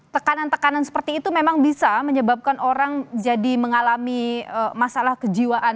tekanan tekanan seperti itu memang bisa menyebabkan orang jadi mengalami masalah kejiwaan